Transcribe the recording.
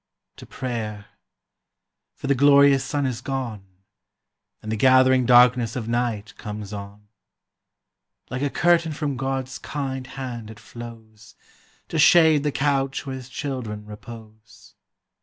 To prayer; for the glorious sun is gone, And the gathering darkness of night comes on; Like a curtain from God's kind hand it flows, To shade the couch where his children impose.